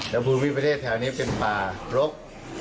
และภูมิประเทศแถวนี้เป็นป่ารก